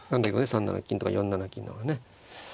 ３七金とか４七金の方がね。